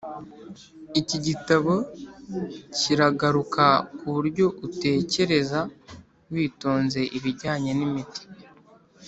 iki gitabo kiragaruka ku buryo utekereza witonze ibijyanye n'imiti,